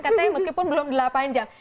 kata yang meskipun belum delapan jam